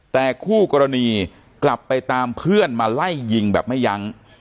แต่คู่กรณีกลับไปตามเพื่อนมาไล่ยิงแบบไม่ยั้ง